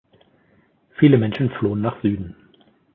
Viele Menschen flohen nach Süden.